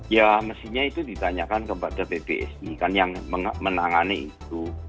ya mestinya itu ditanyakan kepada pbsi kan yang menangani itu